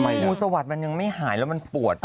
ไม่สะวัดมันยังไม่หายแล้วมันปวด